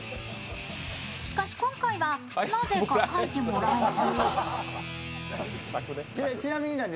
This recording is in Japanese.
しかし、今回はなぜか描いてもらえず。